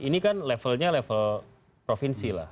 ini kan levelnya level provinsi lah